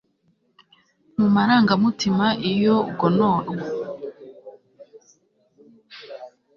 mu marangamutima iyo ugononwa